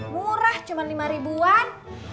murah cuma lima ribuan